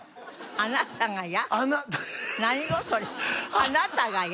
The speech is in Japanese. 「あなたがや」？